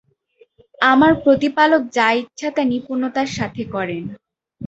আমার প্রতিপালক যা ইচ্ছা তা নিপুণতার সাথে করেন।